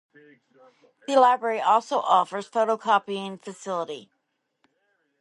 The Library also offers photocopying facility.